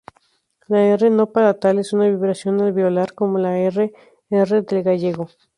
La "r" no palatal es una vibración alveolar, como la "rr" del gallego.